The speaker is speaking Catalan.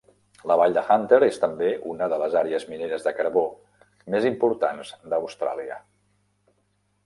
La vall de Hunter és també una de les àrees mineres de carbó més importants d'Austràlia.